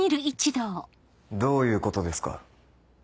どういうことですか？